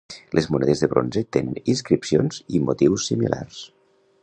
Les monedes de bronze tenen inscripcions i motius similars.